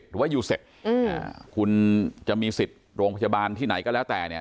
หรือว่ายูเซ็ตคุณจะมีสิทธิ์โรงพยาบาลที่ไหนก็แล้วแต่เนี่ย